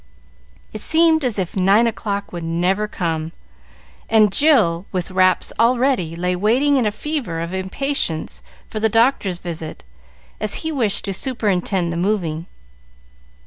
It seemed as if nine o'clock would never come, and Jill, with wraps all ready, lay waiting in a fever of impatience for the doctor's visit, as he wished to superintend the moving.